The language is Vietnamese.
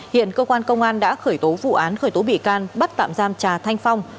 hiện cơ quan công an đã khởi tố vụ án khởi tố bị can bắt tạm giam trà thanh phong